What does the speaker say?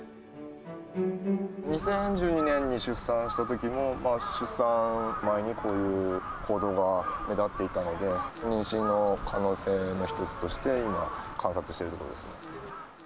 ２０１２年に出産したときも、出産前にこういう行動が目立っていたので、妊娠の可能性の一つとして今、観察しているところですね。